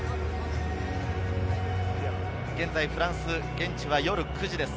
現在、フランス、現地は夜９時です。